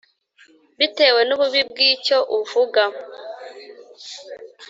bitewe n’ububi bw’icyo uvuga